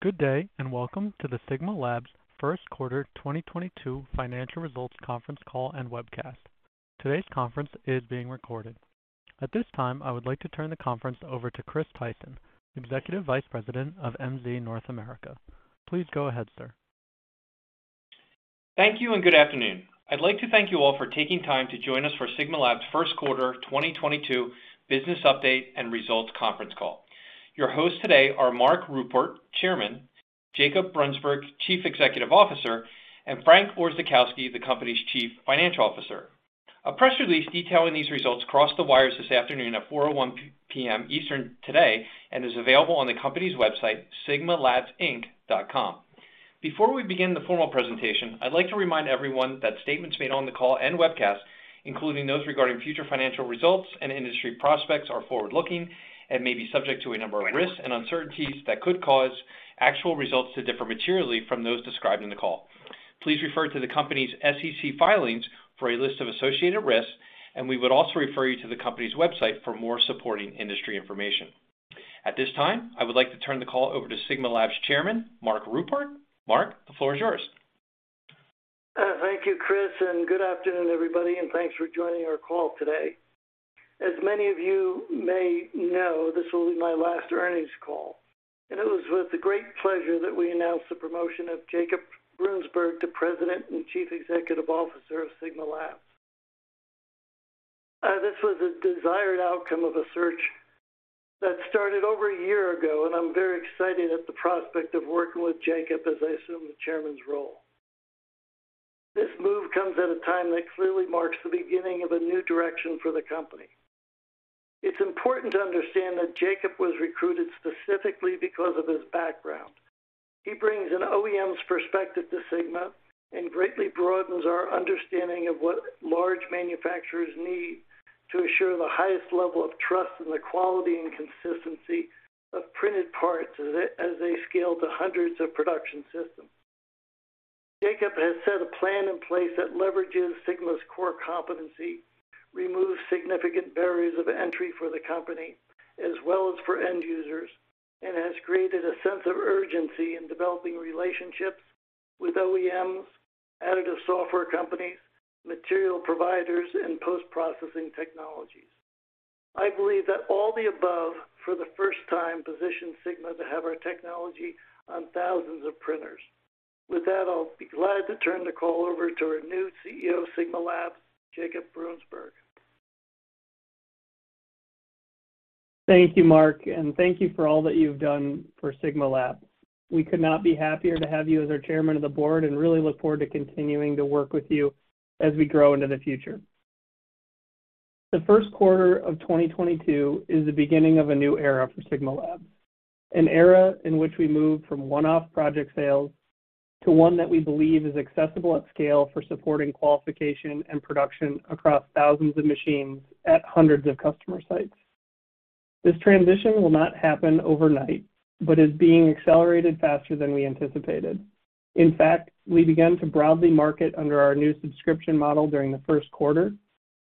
Good day, and welcome to the Sigma Labs first quarter 2022 financial results conference call and webcast. Today's conference is being recorded. At this time, I would like to turn the conference over to Chris Tyson, Executive Vice President of MZ North America. Please go ahead, sir. Thank you and good afternoon. I'd like to thank you all for taking time to join us for Sigma Labs first quarter 2022 business update and results conference call. Your hosts today are Mark Ruport, Chairman, Jacob Brunsberg, Chief Executive Officer, and Frank Orzechowski, the company's Chief Financial Officer. A press release detailing these results crossed the wires this afternoon at 4:01 P.M. Eastern today and is available on the company's website sigmalabsinc.com. Before we begin the formal presentation, I'd like to remind everyone that statements made on the call and webcast, including those regarding future financial results and industry prospects, are forward-looking and may be subject to a number of risks and uncertainties that could cause actual results to differ materially from those described in the call. Please refer to the company's SEC filings for a list of associated risks, and we would also refer you to the company's website for more supporting industry information. At this time, I would like to turn the call over to Sigma Labs Chairman, Mark Ruport. Mark, the floor is yours. Thank you, Chris, and good afternoon, everybody, and thanks for joining our call today. As many of you may know, this will be my last earnings call, and it was with the great pleasure that we announce the promotion of Jacob Brunsberg to President and Chief Executive Officer of Sigma Labs. This was a desired outcome of a search that started over a year ago, and I'm very excited at the prospect of working with Jacob as I assume the chairman's role. This move comes at a time that clearly marks the beginning of a new direction for the company. It's important to understand that Jacob was recruited specifically because of his background. He brings an OEM's perspective to Sigma and greatly broadens our understanding of what large manufacturers need to ensure the highest level of trust in the quality and consistency of printed parts as they scale to hundreds of production systems. Jacob has set a plan in place that leverages Sigma's core competency, removes significant barriers of entry for the company as well as for end users, and has created a sense of urgency in developing relationships with OEMs, additive software companies, material providers, and post-processing technologies. I believe that all the above, for the first time, position Sigma to have our technology on thousands of printers. With that, I'll be glad to turn the call over to our new CEO of Sigma Labs, Jacob Brunsberg. Thank you, Mark, and thank you for all that you've done for Sigma Labs. We could not be happier to have you as our Chairman of the Board and really look forward to continuing to work with you as we grow into the future. The first quarter of 2022 is the beginning of a new era for Sigma Labs, an era in which we move from one-off project sales to one that we believe is accessible at scale for supporting qualification and production across thousands of machines at hundreds of customer sites. This transition will not happen overnight but is being accelerated faster than we anticipated. In fact, we began to broadly market under our new subscription model during the first quarter.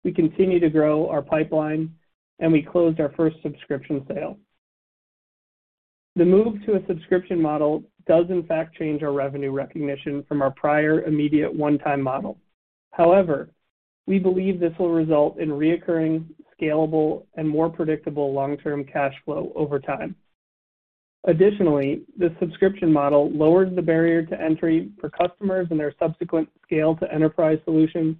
We continue to grow our pipeline, and we closed our first subscription sale. The move to a subscription model does in fact change our revenue recognition from our prior immediate one-time model. However, we believe this will result in recurring, scalable, and more predictable long-term cash flow over time. Additionally, this subscription model lowers the barrier to entry for customers and their subsequent scale to enterprise solutions,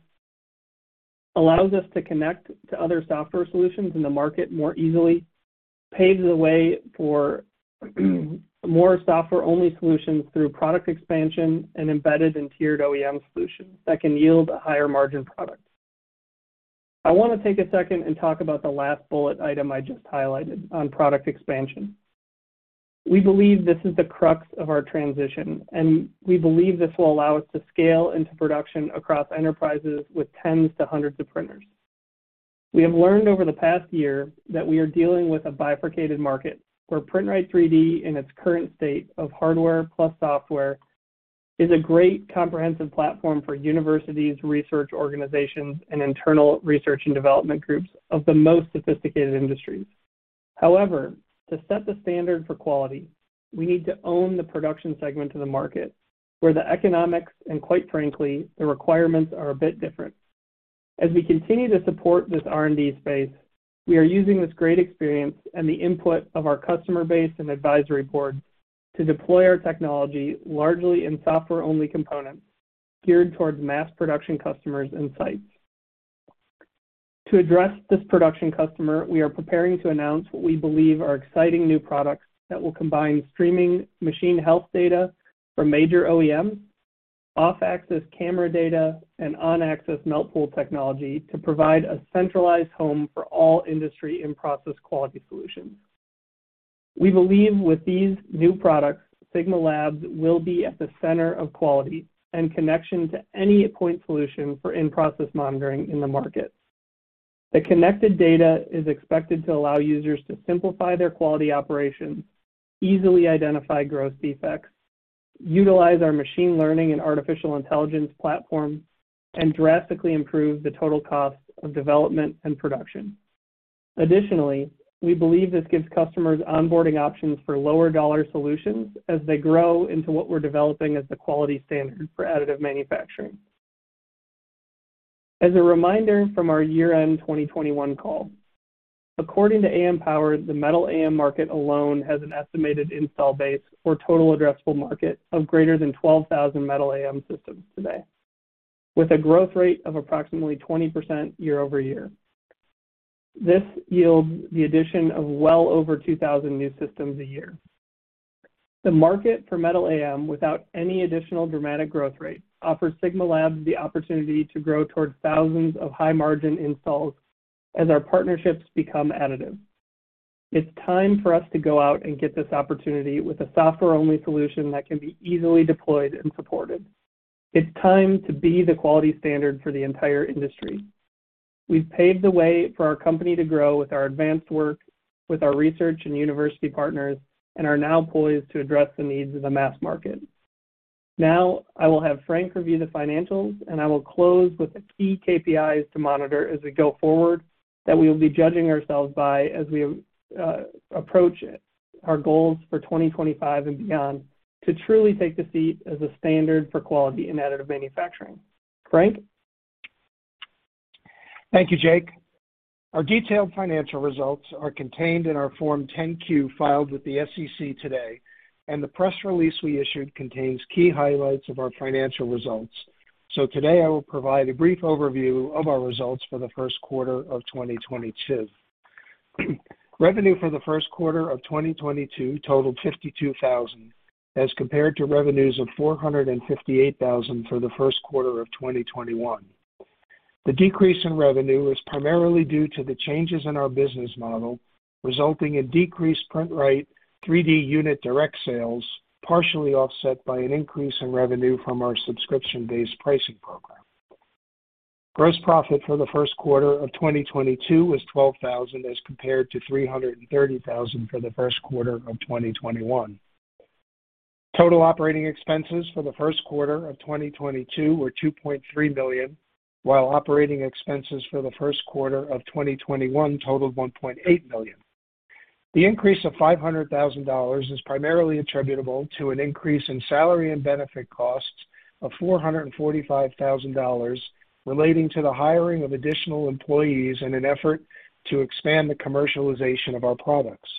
allows us to connect to other software solutions in the market more easily, paves the way for more software-only solutions through product expansion and embedded and tiered OEM solutions that can yield a higher margin product. I want to take a second and talk about the last bullet item I just highlighted on product expansion. We believe this is the crux of our transition, and we believe this will allow us to scale into production across enterprises with tens to hundreds of printers. We have learned over the past year that we are dealing with a bifurcated market where PrintRite3D in its current state of hardware plus software is a great comprehensive platform for universities, research organizations, and internal research and development groups of the most sophisticated industries. However, to set the standard for quality, we need to own the production segment to the market where the economics, and quite frankly, the requirements are a bit different. As we continue to support this R&D space, we are using this great experience and the input of our customer base and advisory board to deploy our technology largely in software-only components geared towards mass production customers and sites. To address this production customer, we are preparing to announce what we believe are exciting new products that will combine streaming machine health data from major OEMs, off-axis camera data, and on-axis melt pool technology to provide a centralized home for all industry in-process quality solutions. We believe with these new products, Sigma Labs will be at the center of quality and connection to any point solution for in-process monitoring in the market. The connected data is expected to allow users to simplify their quality operations, easily identify gross defects. Utilize our machine learning and artificial intelligence platform and drastically improve the total cost of development and production. Additionally, we believe this gives customers onboarding options for lower dollar solutions as they grow into what we're developing as the quality standard for additive manufacturing. As a reminder from our year-end 2021 call, according to AMPOWER, the metal AM market alone has an estimated install base or total addressable market of greater than 12,000 metal AM systems today, with a growth rate of approximately 20% year-over-year. This yields the addition of well over 2,000 new systems a year. The market for metal AM without any additional dramatic growth rate offers Sigma Labs the opportunity to grow towards thousands of high-margin installs as our partnerships become additive. It's time for us to go out and get this opportunity with a software-only solution that can be easily deployed and supported. It's time to be the quality standard for the entire industry. We've paved the way for our company to grow with our advanced work with our research and university partners, and are now poised to address the needs of the mass market. Now I will have Frank review the financials, and I will close with the key KPIs to monitor as we go forward that we will be judging ourselves by as we approach our goals for 2025 and beyond to truly take the seat as a standard for quality in additive manufacturing. Frank. Thank you, Jake. Our detailed financial results are contained in our Form 10-Q filed with the SEC today, and the press release we issued contains key highlights of our financial results. Today I will provide a brief overview of our results for the first quarter of 2022. Revenue for the first quarter of 2022 totaled $52,000 as compared to revenues of $458,000 for the first quarter of 2021. The decrease in revenue was primarily due to the changes in our business model, resulting in decreased PrintRite3D unit direct sales, partially offset by an increase in revenue from our subscription-based pricing program. Gross profit for the first quarter of 2022 was $12,000 as compared to $330,000 for the first quarter of 2021. Total operating expenses for the first quarter of 2022 were $2.3 million, while operating expenses for the first quarter of 2021 totaled $1.8 million. The increase of $500,000 is primarily attributable to an increase in salary and benefit costs of $445,000 relating to the hiring of additional employees in an effort to expand the commercialization of our products.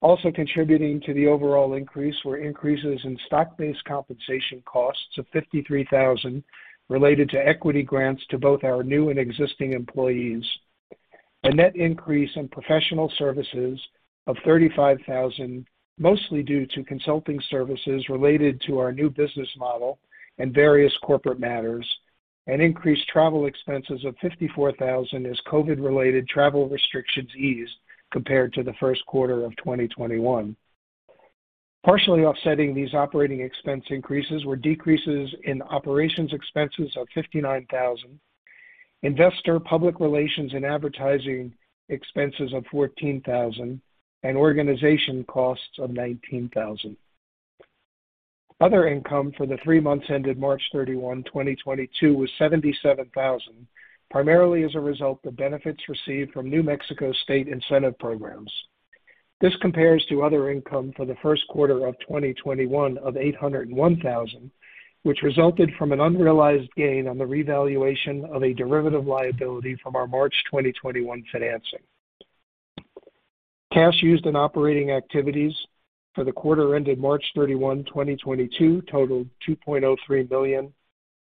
Also contributing to the overall increase were increases in stock-based compensation costs of $53,000 related to equity grants to both our new and existing employees. A net increase in professional services of $35,000, mostly due to consulting services related to our new business model and various corporate matters, and increased travel expenses of $54,000 as COVID-related travel restrictions eased compared to the first quarter of 2021. Partially offsetting these operating expense increases were decreases in operations expenses of $59,000, investor public relations and advertising expenses of $14,000, and organization costs of $19,000. Other income for the three months ended March 31, 2022 was $77,000, primarily as a result of benefits received from New Mexico State incentive programs. This compares to other income for the first quarter of 2021 of $801,000, which resulted from an unrealized gain on the revaluation of a derivative liability from our March 2021 financing. Cash used in operating activities for the quarter ended March 31, 2022 totaled $2.03 million,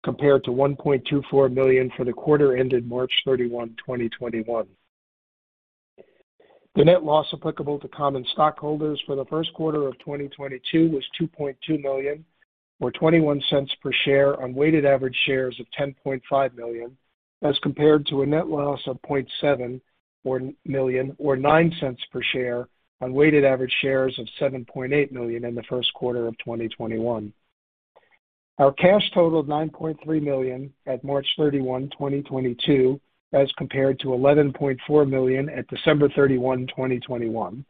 compared to $1.24 million for the quarter ended March 31, 2021. The net loss applicable to common stockholders for the first quarter of 2022 was $2.2 million, or $0.21 per share on weighted average shares of 10.5 million, as compared to a net loss of $0.7 million or 9 cents per share on weighted average shares of 7.8 million in the first quarter of 2021. Our cash totaled $9.3 million at March 31, 2022, as compared to $11.4 million at December 31, 2021.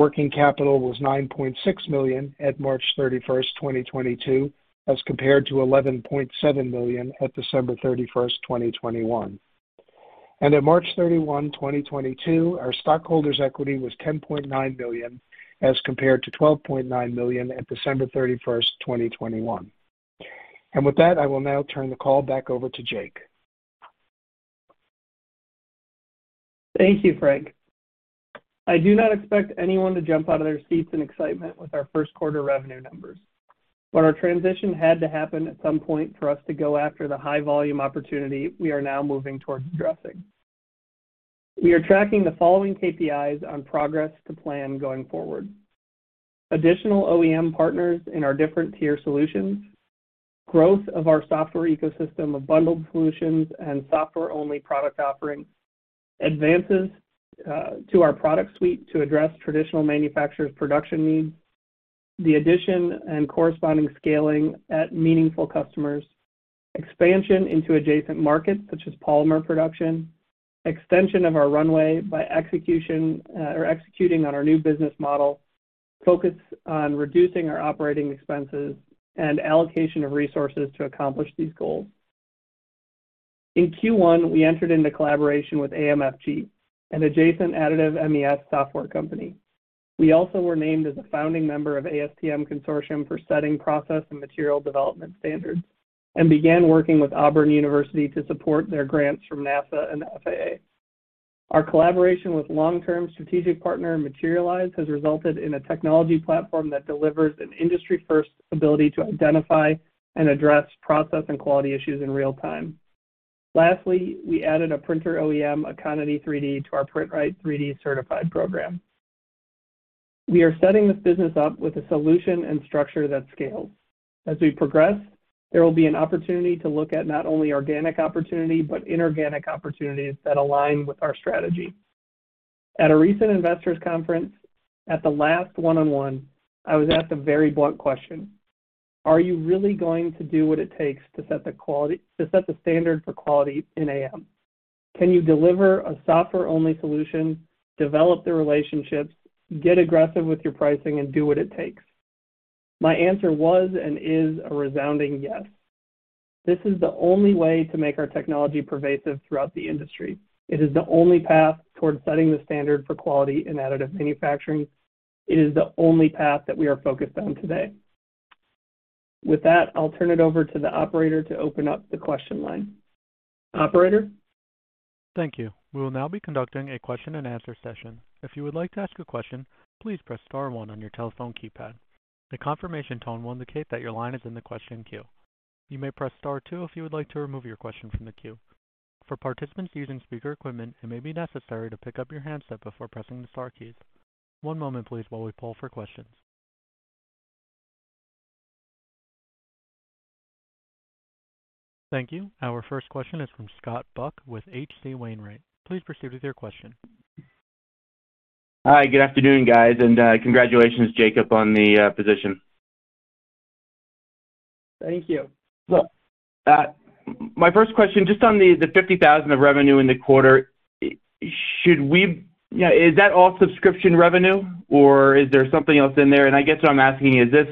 Working capital was $9.6 million at March 31, 2022, as compared to $11.7 million at December 31, 2021. At March 31, 2022, our stockholders' equity was $10.9 million, as compared to $12.9 million at December 31, 2021. With that, I will now turn the call back over to Jake. Thank you, Frank. I do not expect anyone to jump out of their seats in excitement with our first quarter revenue numbers. Our transition had to happen at some point for us to go after the high volume opportunity we are now moving towards addressing. We are tracking the following KPIs on progress to plan going forward. Additional OEM partners in our different tier solutions. Growth of our software ecosystem of bundled solutions and software-only product offerings. Advances to our product suite to address traditional manufacturers' production needs. The addition and corresponding scaling at meaningful customers. Expansion into adjacent markets such as polymer production, extension of our runway by execution, or executing on our new business model, focus on reducing our operating expenses and allocation of resources to accomplish these goals. In Q1, we entered into collaboration with AMFG, an adjacent additive MES software company. We also were named as a founding member of ASTM Consortium for setting process and material development standards and began working with Auburn University to support their grants from NASA and FAA. Our collaboration with long-term strategic partner Materialise has resulted in a technology platform that delivers an industry-first ability to identify and address process and quality issues in real time. Lastly, we added a printer OEM, EOS, to our PrintRite3D Ready certified program. We are setting this business up with a solution and structure that scales. As we progress, there will be an opportunity to look at not only organic opportunity but inorganic opportunities that align with our strategy. At a recent investors conference at the last one-on-one, I was asked a very blunt question. Are you really going to do what it takes to set the standard for quality in AM? Can you deliver a software-only solution, develop the relationships, get aggressive with your pricing, and do what it takes? My answer was and is a resounding yes. This is the only way to make our technology pervasive throughout the industry. It is the only path towards setting the standard for quality in additive manufacturing. It is the only path that we are focused on today. With that, I'll turn it over to the operator to open up the question line. Operator? Thank you. We will now be conducting a question and answer session. If you would like to ask a question, please press star one on your telephone keypad. The confirmation tone will indicate that your line is in the question queue. You may press star two if you would like to remove your question from the queue. For participants using speaker equipment, it may be necessary to pick up your handset before pressing the star keys. One moment please while we poll for questions. Thank you. Our first question is from Scott Buck with H.C. Wainwright. Please proceed with your question. Hi. Good afternoon, guys. Congratulations, Jacob, on the position. Thank you. Well, my first question, just on the $50,000 of revenue in the quarter, should we you know, is that all subscription revenue, or is there something else in there? I guess what I'm asking is this,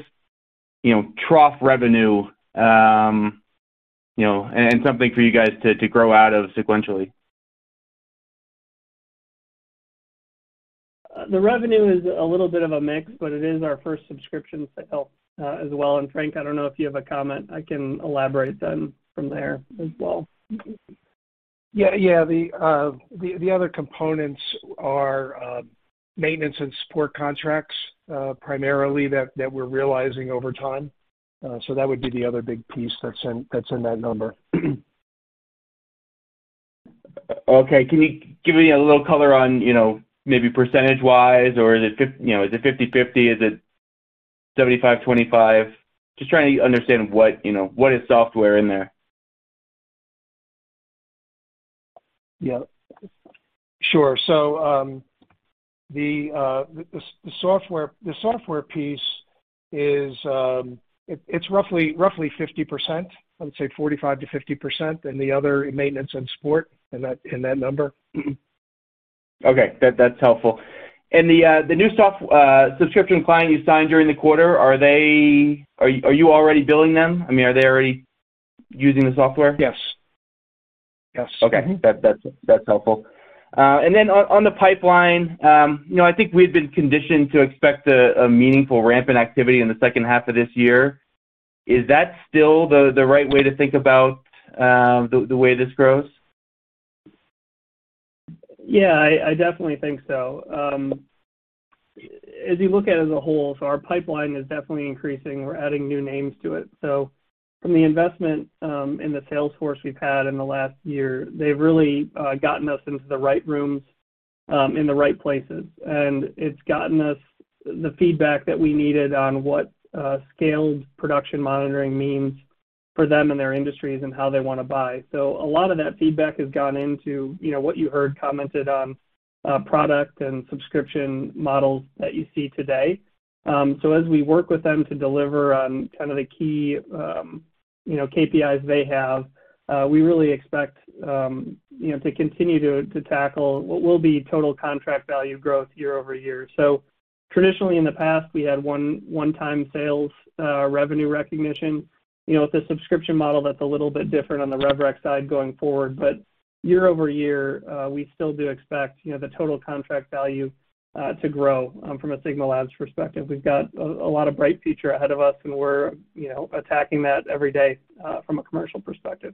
you know, trough revenue, you know, and something for you guys to grow out of sequentially? The revenue is a little bit of a mix, but it is our first subscription sale, as well. Frank, I don't know if you have a comment. I can elaborate then from there as well. Yeah. The other components are maintenance and support contracts, primarily that we're realizing over time. That would be the other big piece that's in that number. Okay. Can you give me a little color on, you know, maybe percentage-wise, or is it... You know, is it 50/50? Is it 75/25? Just trying to understand what, you know, what is software in there. Yeah, sure. The software piece, it's roughly 50%. I would say 45%-50%, and the other maintenance and support in that number. Okay. That's helpful. The new subscription client you signed during the quarter, are you already billing them? I mean, are they already using the software? Yes. Yes. Okay. That's helpful. On the pipeline, you know, I think we've been conditioned to expect a meaningful ramp in activity in the second half of this year. Is that still the right way to think about the way this grows? Yeah, I definitely think so. As you look at it as a whole, our pipeline is definitely increasing. We're adding new names to it. From the investment in the sales force we've had in the last year, they've really gotten us into the right rooms in the right places. It's gotten us the feedback that we needed on what scaled production monitoring means for them and their industries and how they want to buy. A lot of that feedback has gone into you know what you heard commented on product and subscription models that you see today. As we work with them to deliver on kind of the key you know KPIs they have, we really expect you know to continue to tackle what will be total contract value growth year-over-year. Traditionally in the past, we had one-time sales revenue recognition. You know, with the subscription model, that's a little bit different on the rev rec side going forward. But year over year, we still do expect, you know, the total contract value to grow from a Sigma Labs perspective. We've got a lot of bright future ahead of us, and we're, you know, attacking that every day from a commercial perspective.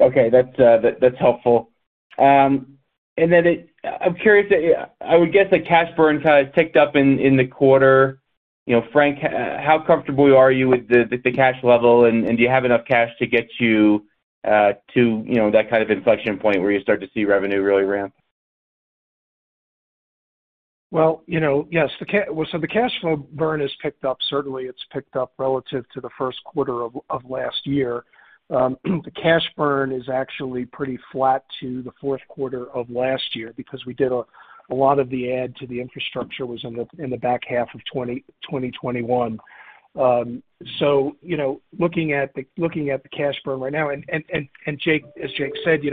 Okay. That's helpful. I'm curious, I would guess that cash burn has ticked up in the quarter. You know, Frank, how comfortable are you with the cash level, and do you have enough cash to get you to, you know, that kind of inflection point where you start to see revenue really ramp? Well, you know, yes. The cash flow burn has picked up. Certainly, it's picked up relative to the first quarter of last year. The cash burn is actually pretty flat to the fourth quarter of last year because we did a lot of the add to the infrastructure was in the back half of 2021. You know, looking at the cash burn right now, and Jake, as Jake said, you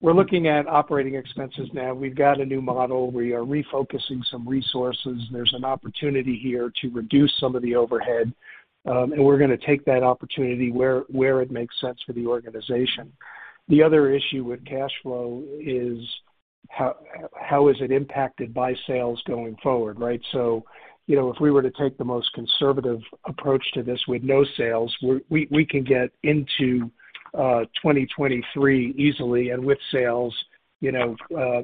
know, there's We're looking at operating expenses now. We've got a new model. We are refocusing some resources. There's an opportunity here to reduce some of the overhead, and we're going to take that opportunity where it makes sense for the organization. The other issue with cash flow is how is it impacted by sales going forward, right? You know, if we were to take the most conservative approach to this with no sales, we can get into 2023 easily. With sales, you know,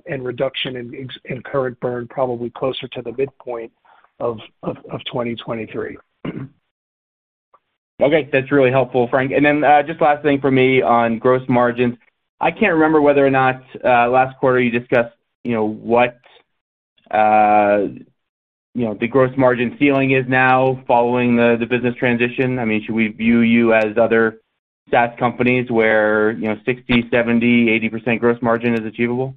and reduction in existing current burn, probably closer to the midpoint of 2023. Okay. That's really helpful, Frank. Just last thing for me on gross margins. I can't remember whether or not last quarter you discussed, you know, what the gross margin ceiling is now following the business transition. I mean, should we view you as other SaaS companies where, you know, 60%, 70%, 80% gross margin is achievable?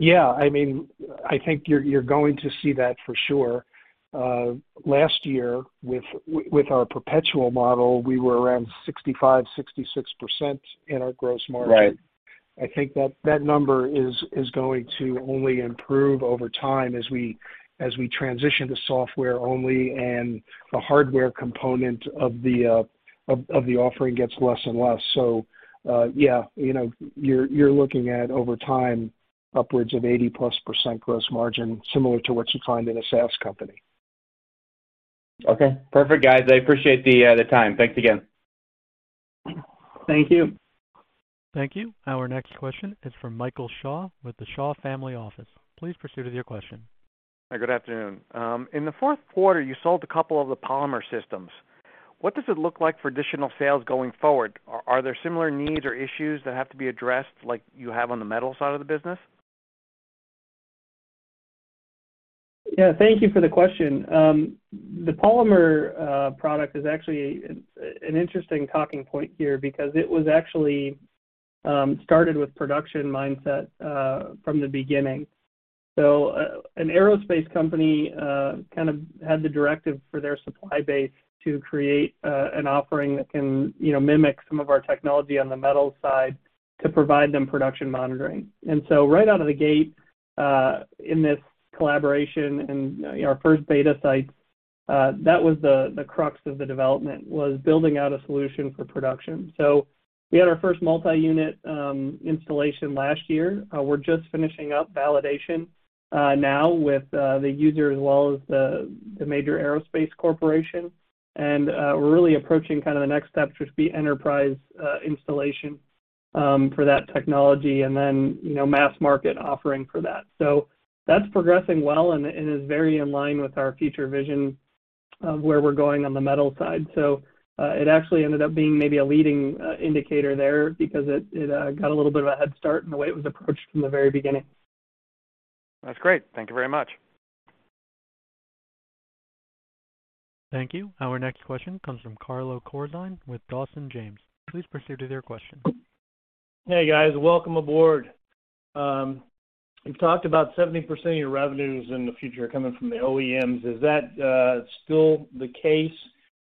Yeah. I mean, I think you're going to see that for sure. Last year with our perpetual model, we were around 65%-66% in our gross margin. Right. I think that number is going to only improve over time as we transition to software only and the hardware component of the offering gets less and less. Yeah, you know, you're looking at over time upwards of 80%+ gross margin, similar to what you find in a SaaS company. Okay. Perfect, guys. I appreciate the time. Thanks again. Thank you. Thank you. Our next question is from Michael Shaw with the Shaw Family Office. Please proceed with your question. Good afternoon. In the fourth quarter, you sold a couple of the polymer systems. What does it look like for additional sales going forward? Are there similar needs or issues that have to be addressed like you have on the metal side of the business? Yeah. Thank you for the question. The polymer product is actually an interesting talking point here because it was actually started with production mindset from the beginning. An aerospace company kind of had the directive for their supply base to create an offering that can, you know, mimic some of our technology on the metal side to provide them production monitoring. Right out of the gate, in this collaboration and, you know, our first beta sites, that was the crux of the development, was building out a solution for production. We had our first multi-unit installation last year. We're just finishing up validation now with the user as well as the major aerospace corporation. We're really approaching kind of the next step, which be enterprise installation for that technology and then, you know, mass market offering for that. That's progressing well and is very in line with our future vision of where we're going on the metal side. It actually ended up being maybe a leading indicator there because it got a little bit of a head start in the way it was approached from the very beginning. That's great. Thank you very much. Thank you. Our next question comes from Carlo Corzine with Dawson James. Please proceed with your question. Hey, guys. Welcome aboard. You've talked about 70% of your revenues in the future coming from the OEMs. Is that still the case?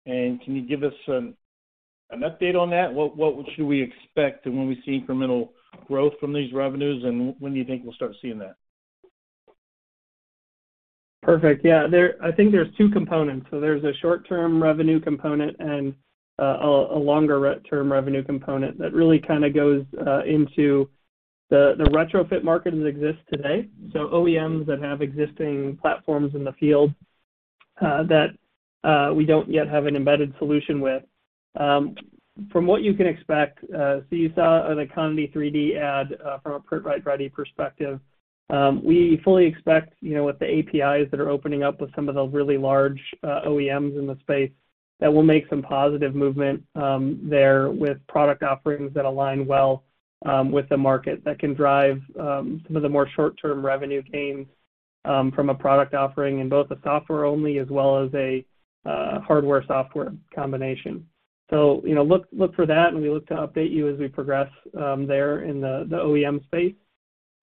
Can you give us an update on that? What should we expect when we see incremental growth from these revenues, and when do you think we'll start seeing that? Perfect. Yeah. There I think there are two components. There is a short-term revenue component and a longer-term revenue component that really kind of goes into the retrofit market that exists today, OEMs that have existing platforms in the field that we do not yet have an embedded solution with. From what you can expect, you saw an EOS 3D ad from a PrintRite3D Ready perspective. We fully expect, you know, with the APIs that are opening up with some of the really large OEMs in the space that we will make some positive movement there with product offerings that align well with the market that can drive some of the more short-term revenue gains from a product offering in both software only as well as a hardware-software combination. You know, look for that, and we look to update you as we progress there in the OEM space.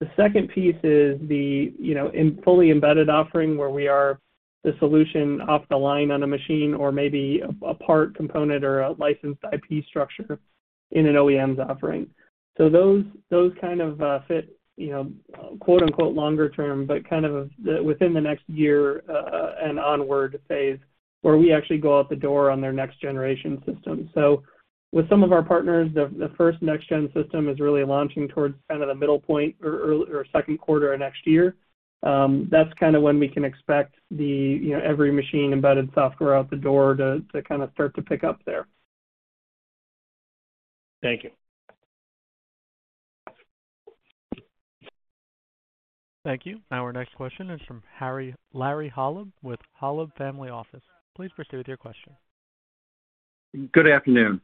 The second piece is the, you know, fully embedded offering where we are the solution off the line on a machine or maybe a part component or a licensed IP structure in an OEM's offering. Those kind of fit, you know, quote-unquote longer term, but kind of within the next year and onward phase where we actually go out the door on their next generation system. With some of our partners, the first next gen system is really launching towards kind of the middle point or second quarter of next year. That's kind of when we can expect the, you know, every machine embedded software out the door to kind of start to pick up there. Thank you. Thank you. Our next question is from Larry Holleb with Holleb Family Office. Please proceed with your question. Good afternoon.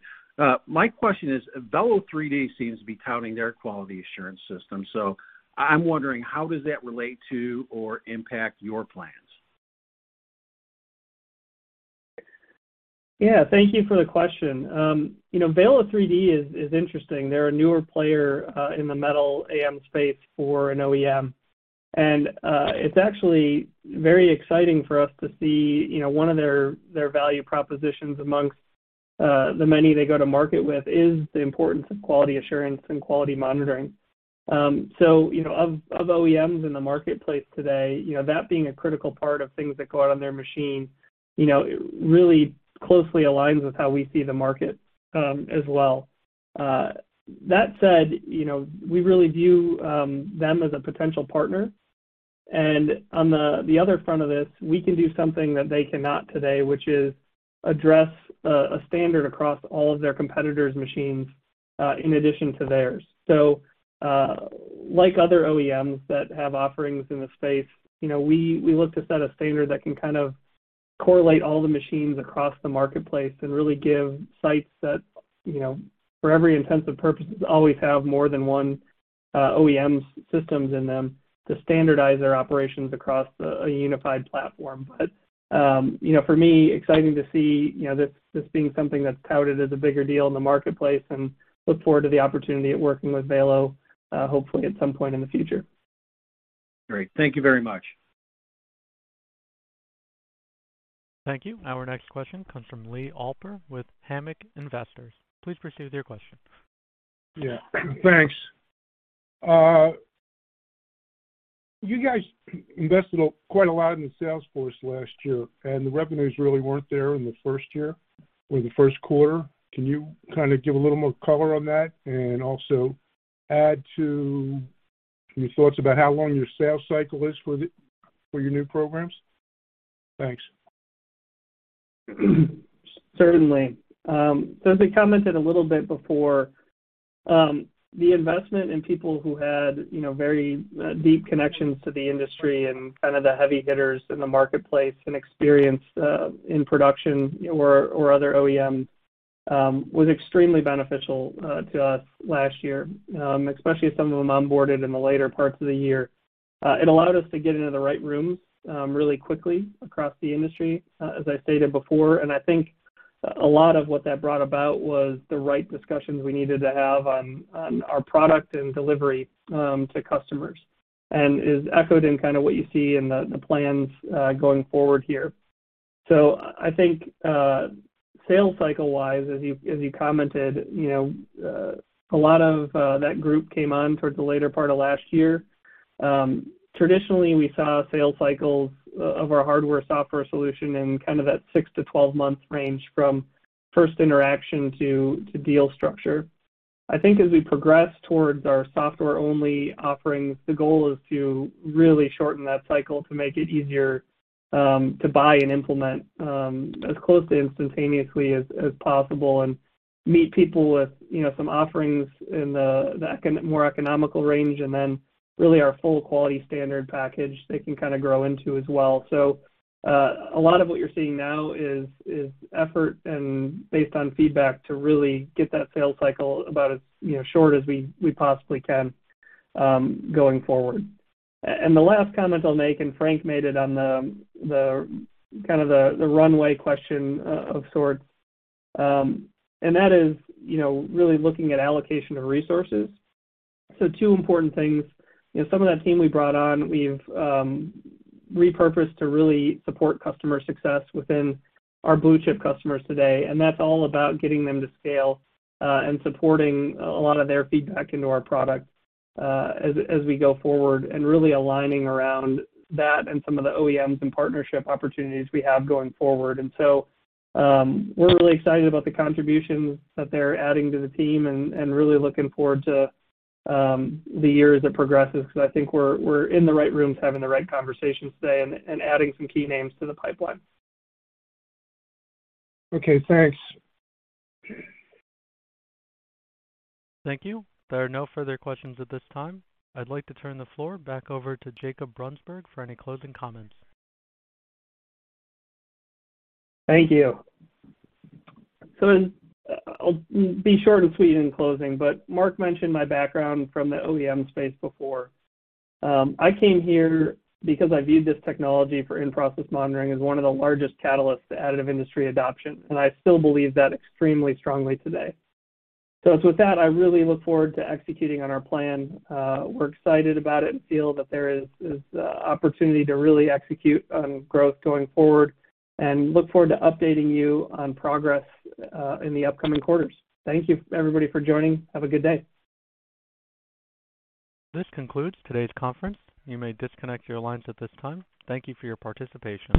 My question is, Velo3D seems to be touting their quality assurance system, so I'm wondering how does that relate to or impact your plans? Yeah. Thank you for the question. You know, Velo3D is interesting. They're a newer player in the metal AM space for an OEM. It's actually very exciting for us to see one of their value propositions amongst the many they go to market with is the importance of quality assurance and quality monitoring. You know, of OEMs in the marketplace today, you know, that being a critical part of things that go out on their machine, you know, really closely aligns with how we see the market as well. That said, you know, we really view them as a potential partner. On the other front of this, we can do something that they cannot today, which is address a standard across all of their competitors' machines in addition to theirs. Like other OEMs that have offerings in the space, you know, we look to set a standard that can kind of correlate all the machines across the marketplace and really give sites that, you know, for all intents and purposes, always have more than one OEM's systems in them to standardize their operations across a unified platform. For me, exciting to see, you know, this being something that's touted as a bigger deal in the marketplace and look forward to the opportunity of working with Velo3D, hopefully at some point in the future. Great. Thank you very much. Thank you. Our next question comes from Lee Alper with Hammock Investors. Please proceed with your question. Yeah. Thanks. You guys invested quite a lot in the sales force last year, and the revenues really weren't there in the first year or the first quarter. Can you kind of give a little more color on that and also add to your thoughts about how long your sales cycle is for your new programs? Thanks. Certainly. So as I commented a little bit before, the investment in people who had, you know, very deep connections to the industry and kind of the heavy hitters in the marketplace and experience in production or other OEMs was extremely beneficial to us last year, especially as some of them onboarded in the later parts of the year. It allowed us to get into the right rooms really quickly across the industry, as I stated before. I think a lot of what that brought about was the right discussions we needed to have on our product and delivery to customers and is echoed in kind of what you see in the plans going forward here. I think sales cycle-wise, as you commented, you know, a lot of that group came on towards the later part of last year. Traditionally, we saw sales cycles of our hardware, software solution in kind of that 6-12-month range from first interaction to deal structure. I think as we progress towards our software-only offerings, the goal is to really shorten that cycle to make it easier to buy and implement as close to instantaneously as possible and meet people with, you know, some offerings in the more economical range and then really our full quality standard package they can kind of grow into as well. A lot of what you're seeing now is effort based on feedback to really get that sales cycle about as short as we possibly can going forward. The last comment I'll make, and Frank made it on the kind of runway question of sorts, and that is, you know, really looking at allocation of resources. Two important things. You know, some of that team we brought on, we've repurposed to really support customer success within our blue-chip customers today. That's all about getting them to scale and supporting a lot of their feedback into our product as we go forward and really aligning around that and some of the OEMs and partnership opportunities we have going forward. We're really excited about the contributions that they're adding to the team and really looking forward to the year as it progresses, because I think we're in the right rooms having the right conversations today and adding some key names to the pipeline. Okay, thanks. Thank you. There are no further questions at this time. I'd like to turn the floor back over to Jacob Brunsberg for any closing comments. Thank you. I'll be short and sweet in closing, but Mark mentioned my background from the OEM space before. I came here because I viewed this technology for in-process monitoring as one of the largest catalysts to additive industry adoption, and I still believe that extremely strongly today. With that, I really look forward to executing on our plan. We're excited about it and feel that there is opportunity to really execute on growth going forward and look forward to updating you on progress in the upcoming quarters. Thank you, everybody for joining. Have a good day. This concludes today's conference. You may disconnect your lines at this time. Thank you for your participation.